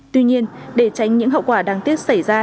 tuy nhiên để tránh những hậu quả đáng tiếc xảy ra